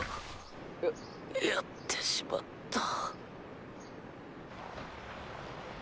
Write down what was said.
ややってしまった。